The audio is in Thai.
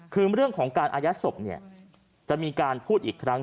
คือเรื่องของการอายัดศพเนี่ยจะมีการพูดอีกครั้ง